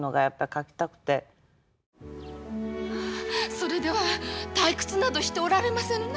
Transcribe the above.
それでは退屈などしておられませぬな。